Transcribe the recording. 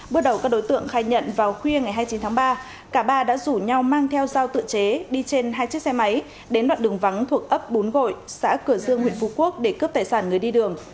bước đầu các đối tượng khai nhận vào khuya ngày hai mươi chín tháng ba cả ba đã rủ nhau mang theo giao tự chế đi trên hai chiếc xe máy đến đoạn đường vắng thuộc ấp bốn gội xã cửa dương huyện phú quốc để cướp tài sản người đi đường